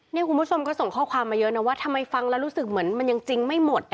นี่คุณผู้ชมก็ส่งข้อความมาเยอะนะว่าทำไมฟังแล้วรู้สึกเหมือนมันยังจริงไม่หมด